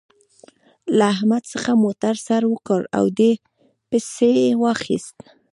له احمد څخه موتر سر وکړ او دې پسې واخيست.